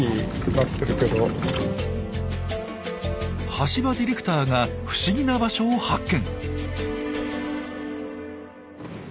橋場ディレクターが不思議な場所を発見。